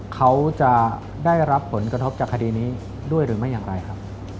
เขาจะได้รับผลกระทบจากคดีนี้ด้วยหรือไม่อย่างไรครับ